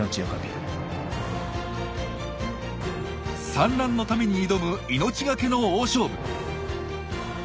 産卵のために挑む命懸けの大勝負。